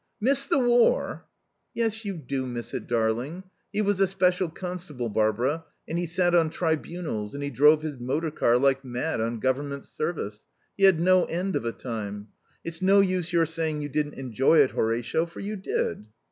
"Miss the war?" "Yes, you do miss it, darling. He was a special constable, Barbara; and he sat on tribunals; and he drove his motor car like mad on government service. He had no end of a time. It's no use your saying you didn't enjoy it, Horatio, for you did."